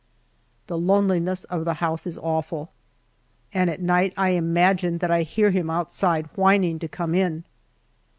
The loneliness of the house is awful, and at night I imagine that I hear him outside whining to come in.